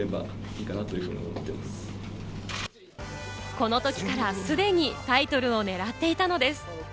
この時から既にタイトルを狙っていたのです。